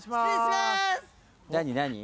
何？